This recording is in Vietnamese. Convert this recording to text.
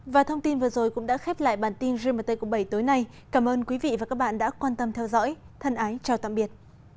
và thông tin vừa rồi cũng đã khép lại bản tin riêng vào tay của bảy tối nay cảm ơn quý vị và các bạn đã quan tâm theo dõi thân ái chào tạm biệt